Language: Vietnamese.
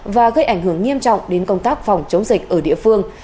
và gây ảnh hưởng nghiêm trọng đến công tác phòng chống dịch ở địa phương